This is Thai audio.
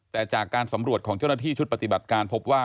แต่จากการสำรวจของเจ้าหน้าที่ชุดปฏิบัติการพบว่า